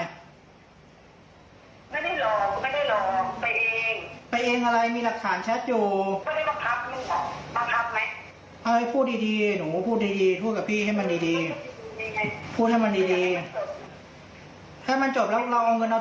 ไม่ต้องการยังไงมาร่งพักมาคุยกันจบ